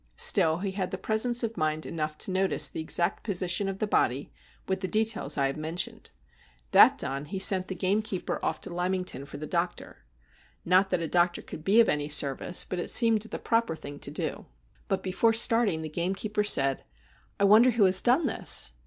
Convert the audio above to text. Still he had presence of mind enough to notice the exact position of the body, with the details I have mentioned. That done, he sent the gamekeeper off to Lymington for the doctor. Not that a doctor could be of any 260 STORIES WEIRD AND WONDERFUL service, but it seemed the proper thing to do. But before starting the gamekeeper said :' I wonder who has done this